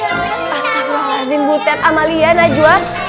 astaghfirullahaladzim butet amalia najwa